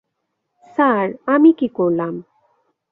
Sir, আমি কি করলাম?